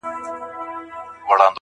يو شاعر پرېږده په سجده چي څه شراب وڅيښي~